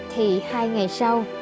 thì hai ngày sau